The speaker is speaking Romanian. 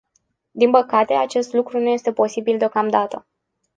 Din păcate, acest lucru nu este posibil deocamdată.